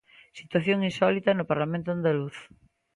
Situación insólita no Parlamento andaluz.